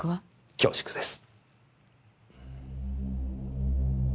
恐縮です。